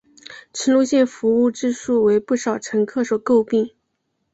此路线服务质素为不少乘客所诟病。